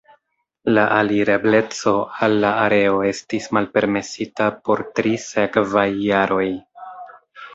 La alir-ebleco al la areo estis malpermesita por tri sekvaj jaroj.